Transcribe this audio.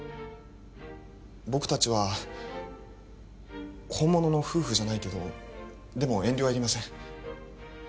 僕達は本物の夫婦じゃないけどでも遠慮はいりません